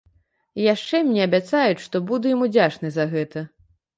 І яшчэ мне абяцаюць, што буду ім удзячны за гэта.